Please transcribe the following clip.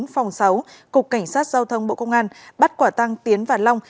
phòng sáu cục cảnh sát giao thông bộ công an bắt quả tăng tiến và long